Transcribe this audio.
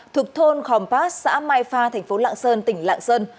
thuộc thôn khom pass xã mai pha tp lạng sơn tỉnh lạng sơn